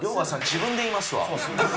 自分で言いますわ。